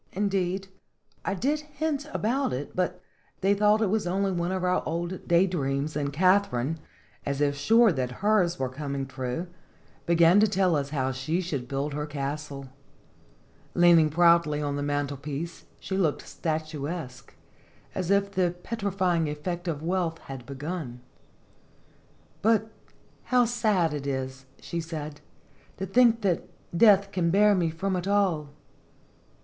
Indeed, I did hint about it, but they thought it only one of our old day dreams, and Katharine, as if sure that hers was coming true, began to tell us how she should build her castle. Lean ing proudly on the mantelpiece, she looked statuesque, as if the petrifying effect of wealth had begun. "But how sad it is," she said, "to think that death can bear me from it all."